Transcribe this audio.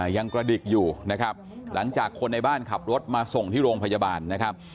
ยังกระดิกอยู่นะครับหลังจากคนในบ้านขับรถมาส่งที่โรงพยาบาลนะครับ